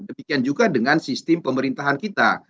demikian juga dengan sistem pemerintahan kita